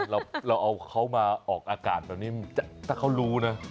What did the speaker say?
เราเอาเขามาออกอากาศแบบนี้ถ้าเขารู้นะ